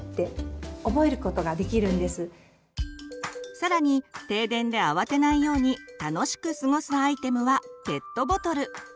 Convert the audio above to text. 更に停電で慌てないように楽しく過ごすアイテムはペットボトル！